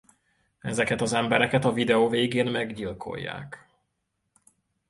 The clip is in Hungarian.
Ezeket az embereket a videó végén meggyilkolják.